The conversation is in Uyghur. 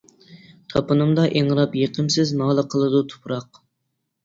تاپىنىمدا ئىڭراپ يېقىمسىز نالە قىلىدۇ تۇپراق.